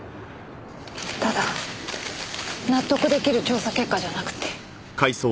ただ納得出来る調査結果じゃなくて。